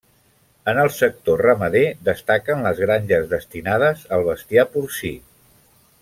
En el sector ramader destaquen les granges destinades al bestiar porcí.